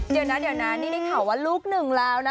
เดี๋ยวนะนี่ได้ข่าวว่าลุกหนึ่งแล้วนะ